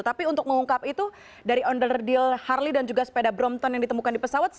tapi untuk mengungkap itu dari ondel deal harley dan juga sepeda brompton yang ditemukan di pesawat